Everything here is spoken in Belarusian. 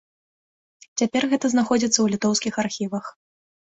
Цяпер гэта знаходзіцца ў літоўскіх архівах.